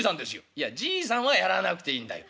「いやじいさんはやらなくていいんだよ。